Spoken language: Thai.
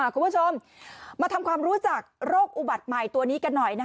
คุณผู้ชมมาทำความรู้จักโรคอุบัติใหม่ตัวนี้กันหน่อย